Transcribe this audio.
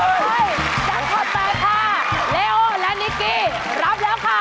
เลโอและนิกกี้รับแล้วค่ะ